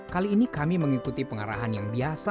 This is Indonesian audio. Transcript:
kali ini kami mengikuti pengarahan yang biasa